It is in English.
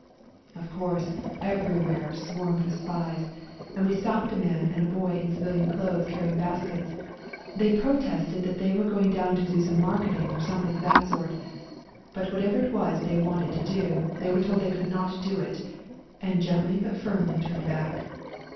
Of course everywhere swarmed with spies, and we stopped a man and a boy in civilian clothes carrying baskets ; they protested that they were going down to do somxC marketing or something of that sort, but whatever it was they wanted to do they were told they could not do it, and gently but firmly turned back.